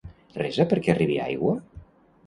Resa perquè arribi aigua?